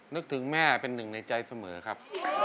นึกถึงแม่เป็นหนึ่งในใจเสมอครับ